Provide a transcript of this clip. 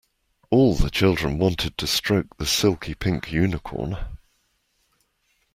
All the children wanted to stroke the silky pink unicorn